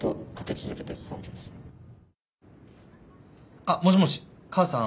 あっもしもし母さん？